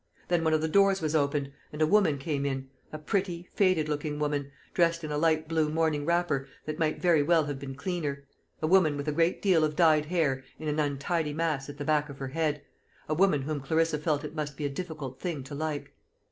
Then one of the doors was opened, and a woman came in; a pretty, faded looking woman, dressed in a light blue morning wrapper that might very well have been cleaner; a woman with a great deal of dyed hair in an untidy mass at the back of her head; a woman whom Clarissa felt it must be a difficult thing to like.